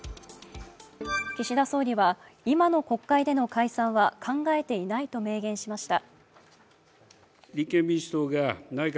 岸田総理は今の国会での解散は考えてないと明言しました。